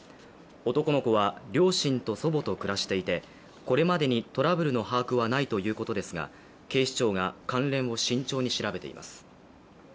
男の子は両親と祖母と暮らしていてこれまでにトラブルの把握はないということですが警視庁が関連を慎重に調べています。